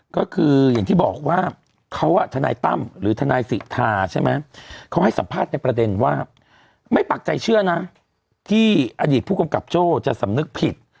ก็คืออย่างที่บอกว่าเขาทนายตั้มหรือทนายสิทธาใช่ไหมเขาให้สัมภาษณ์ในประเด็นว่าไม่ปักใจเชื่อนะที่อดีตผู้กำกับโจ้จะสำนึกผิด